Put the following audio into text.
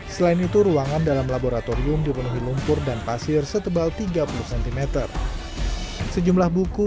selain itu ruangan dalam laboratorium dipenuhi lumpur dan pasir setebal tiga puluh cm sejumlah buku